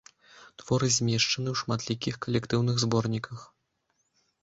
Творы змешчаны ў шматлікіх калектыўных зборніках.